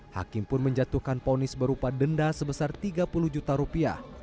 hakim pun menjatuhkan ponis berupa denda sebesar tiga puluh juta rupiah